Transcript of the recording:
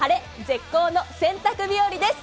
絶好の洗濯日和です。